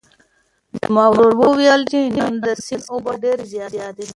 زما ورور وویل چې نن د سیند اوبه ډېرې زیاتې دي.